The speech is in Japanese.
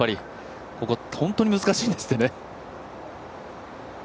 ここ、本当に難しいんですってね。